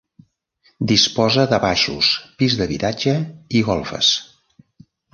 Disposa de baixos, pis d'habitatge i golfes.